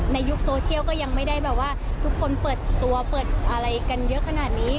ยุคโซเชียลก็ยังไม่ได้แบบว่าทุกคนเปิดตัวเปิดอะไรกันเยอะขนาดนี้